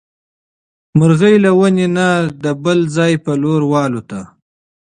مرغۍ له ونې نه د بل ځای په لور والوتې.